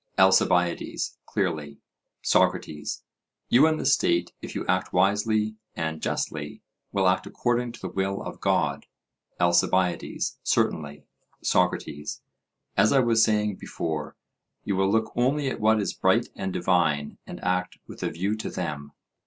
ALCIBIADES: Clearly. SOCRATES: You and the state, if you act wisely and justly, will act according to the will of God? ALCIBIADES: Certainly. SOCRATES: As I was saying before, you will look only at what is bright and divine, and act with a view to them?